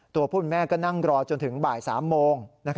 ผู้เป็นแม่ก็นั่งรอจนถึงบ่าย๓โมง